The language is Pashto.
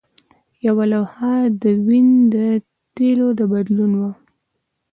یوه لوحه د وین د تیلو د بدلون وه